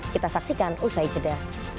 kita saksikan usai jeda